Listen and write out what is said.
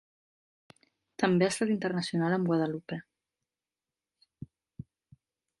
També ha estat internacional amb Guadalupe.